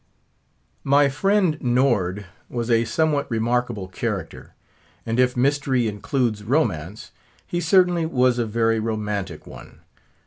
My friend Nord was a somewhat remarkable character; and if mystery includes romance, he certainly was a very romantic one.